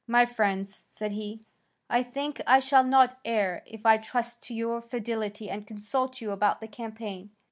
"My friends," said he, "I think I shall not err if I trust to your fidelity and consult you about the campaign.